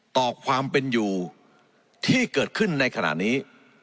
ต่อความเป็นอยู่ที่เกิดขึ้นในขณะนี้